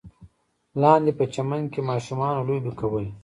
لاندې په چمن کې ماشومانو لوبې کولې.